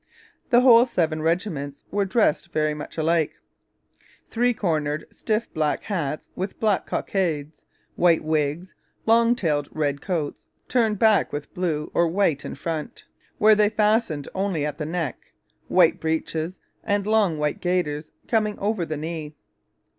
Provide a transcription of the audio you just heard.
The whole seven regiments were dressed very much alike: three cornered, stiff black hats with black cockades, white wigs, long tailed red coats turned back with blue or white in front, where they were fastened only at the neck, white breeches, and long white gaiters coming over the knee.